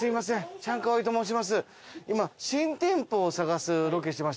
チャンカワイと申します。